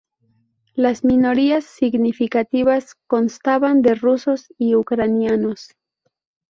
Las minorías significativas constaban de rusos y ucranianos.